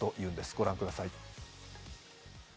ご覧ください。